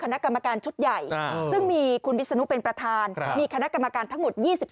๒ใน๓จาก๒๓คน